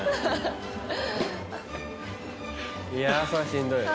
い筺しんどい。